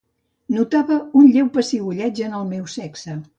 Notava un lleu pessigolleig en el meu sexe.